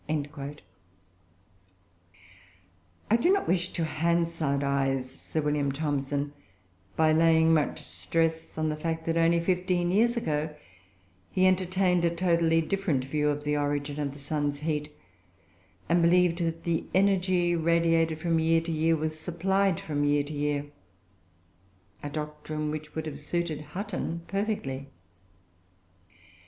" [Footnote 21: Loc. cit. p. 20.] I do not wish to "Hansardise" Sir William Thomson by laying much stress on the fact that, only fifteen years ago he entertained a totally different view of the origin of the sun's heat, and believed that the energy radiated from year to year was supplied from year to year a doctrine which would have suited Hutton perfectly.